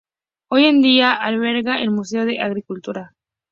Hoy en día, alberga el Museo de Agricultura.